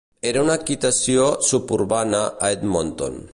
Era una equitació suburbana a Edmonton.